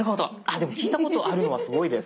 でも聞いたことあるのはすごいです。